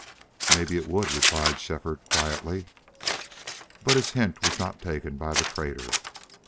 "Maybe it would," replied Shefford, quietly. But his hint was not taken by the trader.